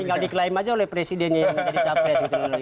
tinggal diklaim aja oleh presidennya yang menjadi capres gitu